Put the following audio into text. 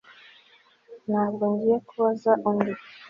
Ntabwo ngiye kubaza undi